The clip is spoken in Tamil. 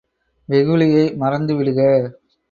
வெகுளியை மறந்து விடுக!